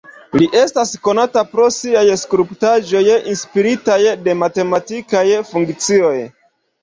Li estas konata pro siaj skulptaĵoj inspiritaj de matematikaj funkcioj.